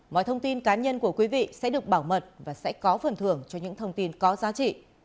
mọi thông tin cá nhân của quý vị sẽ được bảo mật và sẽ có phần thưởng cho những thông tin có giá trị